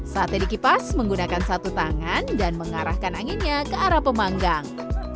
sate dikipas menggunakan satu tangan dan mengarahkan anginnya ke arah pemanggang